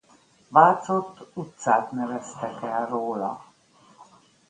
Vácott utcát neveztek el róla.